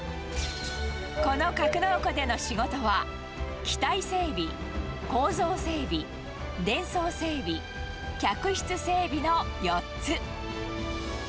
この格納庫での仕事は、機体整備、構造整備、電装整備、客室整備の４つ。